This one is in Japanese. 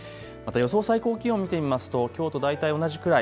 予想最高気温見てみますときょうと大体同じくらい。